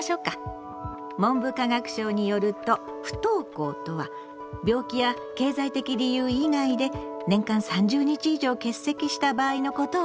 文部科学省によると不登校とは病気や経済的理由以外で年間３０日以上欠席した場合のことをいうの。